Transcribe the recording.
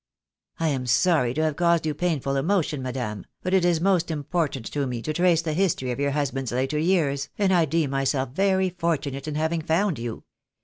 "I am sorry to have caused you painful emotion, madame, but it is most important to me to trace the history of your husband's later years, and I deem myself very fortunate in having found you."